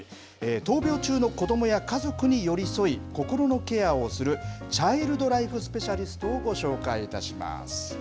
闘病中の子どもや家族に寄り添い、心のケアをするチャイルド・ライフ・スペシャリストをご紹介いたします。